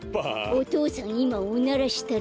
お父さんいまおならしたね？